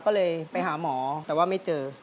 ก็เลยไปหาหมอแต่ว่าไม่เจอ